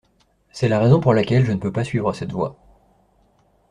C’est la raison pour laquelle je ne peux pas suivre cette voie.